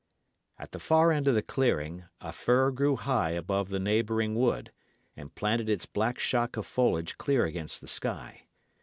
At the far end of the clearing, a fir grew high above the neighbouring wood, and planted its black shock of foliage clear against the sky.